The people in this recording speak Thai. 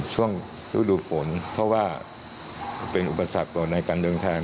ช่วงฤดูฝนเพราะว่าเป็นอุปสรรคต่อในการเดินทาง